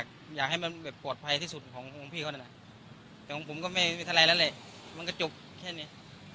ก็อยากให้มันเป็นปลอดภัยที่สุดของพี่เขานะแต่ของผมก็ไม่เท่าไรแล้วเลยมันก็จบแค่นี้